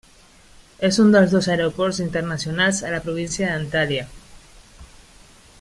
És un dels dos aeroports internacionals a la Província d'Antalya.